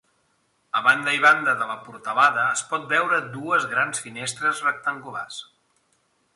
A banda i banda de la portalada es pot veure dues grans finestres rectangulars.